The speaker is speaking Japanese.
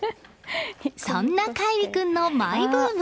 そんな海里君のマイブーム。